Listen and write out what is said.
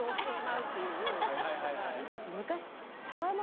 私昔。